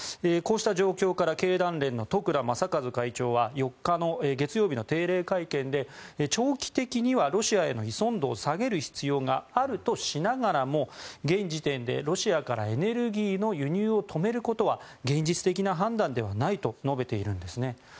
こうした状況から経団連の十倉雅和会長は４日月曜日の定例会見で長期的にはロシアへの依存度を下げる必要があるとしながらも現時点でロシアからエネルギーの輸入を止めることは現実的な判断ではないと述べているんです。